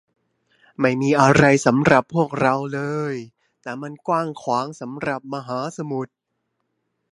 ไม่มีอะไรสำหรับพวกเราเลย แต่มันกว้างขวางสำหรับมหาสมุทร